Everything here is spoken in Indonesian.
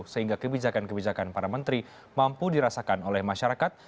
sehingga kebijakan kebijakan para menteri mampu dirasakan oleh masyarakat